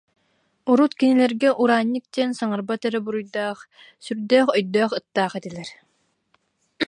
Урут кинилэргэ Ураан- ньык диэн саҥарбат эрэ буруйдаах, сүрдээх өйдөөх ыттаах этилэр